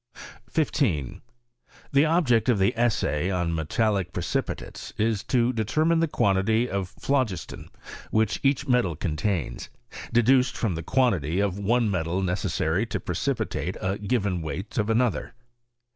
1 5. The object of the Essay on Metallic Precipi tates is to determine the quantity of phlo^slon which each metal contains, deduced from the quan tity of one metal necessary to precipitate a given weight of another.